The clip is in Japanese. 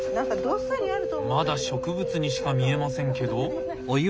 まだ植物にしか見えませんけど。